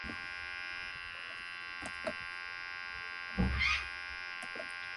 El octavo hijo, que sobrevivió, fue Krisna Vasudeva.